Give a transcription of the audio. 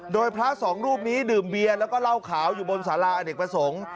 โดยพระสองรูปนี้ดื่มเบียร์แล้วก็เหล้าขาวอยู่บนสาราอเนกประสงค์